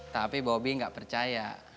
tapi bobi ga percaya